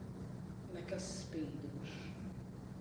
Nekas spīdošs.